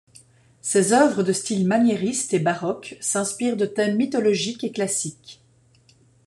Ses œuvres de style maniériste et baroque s'inspirent de thèmes mythologiques et classiques.